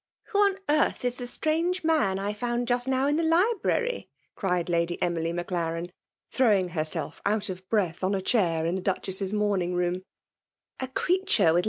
Who on earth is the strange man I found Just now in the library ?'' cried • Lady Bmily Maclarcn, throwing herself out of breath on |i chair in the Duchess's morning room^ \A erantuKe^^ith